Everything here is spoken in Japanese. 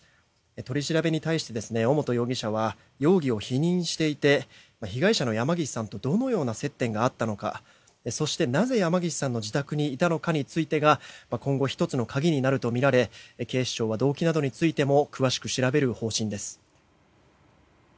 取り調べに対して尾本容疑者は容疑を否認していて被害者の山岸さんとどのような接点があったのかそして、なぜ山岸さんの自宅にいたのかについてが今後１つの鍵になるとみられ警視庁は動機などについても詳しく調べる方針です。